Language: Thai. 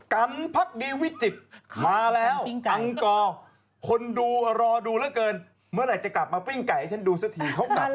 กันพักดีวิจิตรมาแล้วปังกอคนดูรอดูเหลือเกินเมื่อไหร่จะกลับมาปิ้งไก่ให้ฉันดูสักทีเขากลับ